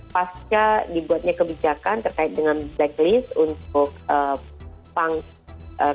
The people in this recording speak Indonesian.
pasca dibuatnya kebijakan terkait dengan blacklist untuk pangkat